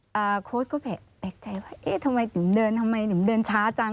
โค้ชก็แปลกใจว่าเอ๊ะทำไมนิมเดินทำไมหิมเดินช้าจัง